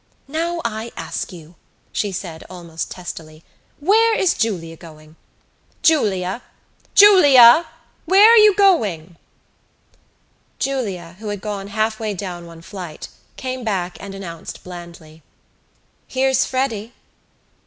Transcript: "Now, I ask you," she said almost testily, "where is Julia going? Julia! Julia! Where are you going?" Julia, who had gone half way down one flight, came back and announced blandly: "Here's Freddy."